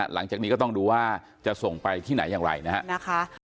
หลังจากนี้ก็ต้องดูว่าจะส่งไปที่ไหนอย่างไรนะครับ